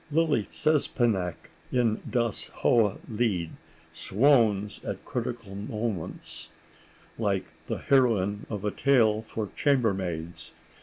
Lily Czepanek, in "Das hohe Lied," swoons at critical moments, like the heroine of a tale for chambermaids.